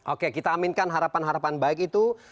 oke kita aminkan harapan harapan baik itu